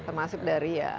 termasuk dari ya